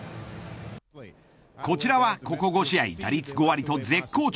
こちらはここ５試合打率５割と絶好調。